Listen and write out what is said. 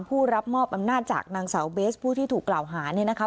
ผู้รับมอบอำนาจจากนางสาวเบสผู้ที่ถูกกล่าวหาเนี่ยนะคะ